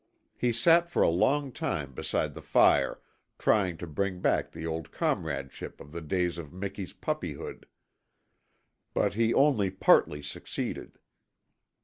He sat for a long time beside the fire trying to bring back the old comradeship of the days of Miki's puppyhood. But he only partly succeeded.